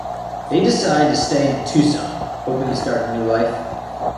They decide to stay in Tucson, hoping to start a new life.